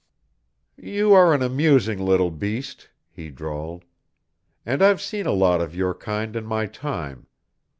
"You are an interesting little beast," he drawled, "and I've seen a lot of your kind in my time.